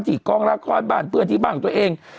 ที่กองละครบ้านเพื่อนที่บ้านตัวเอง